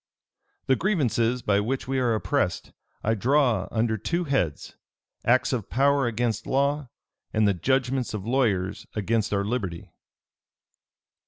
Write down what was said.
"The grievances by which we are oppressed, I draw under two heads; acts of power against law, and the judgments of lawyers against our liberty."